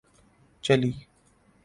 چلی